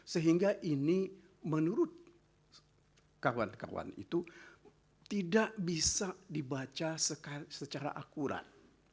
sehingga ini menurut kawan kawan itu tidak bisa dibaca secara akurat